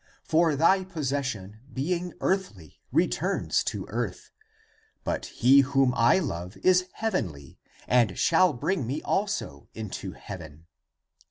For thy possession, being earthly, re turns to earth. But he whom I love is heavenly and shall bring me also into heaven.